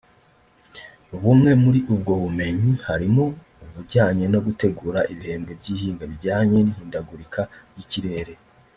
Bumwe muri ubwo bumenyi harimo ubujyanye no gutegura ibihembwe by’ihinga bijyanye n’ihindagurika ry’ikirere